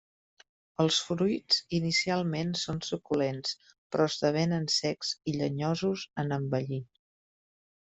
Els fruits inicialment són suculents però esdevenen secs i llenyosos en envellir.